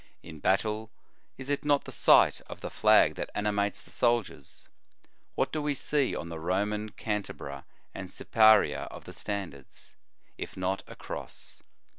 In bat tle, is it not the sight of the flag that animates the soldiers? What do we see on the Roman Cantabra and Siparia of the standards, if not a Cross?